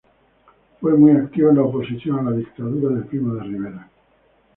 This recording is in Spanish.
Fue muy activo en la oposición a la dictadura de Primo de Rivera.